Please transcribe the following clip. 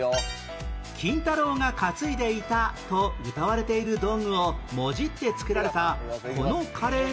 金太郎が担いでいたとうたわれている道具をもじって作られたこのカレーの名前は？